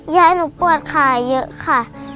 ยายหนูปวดขาเยอะค่ะ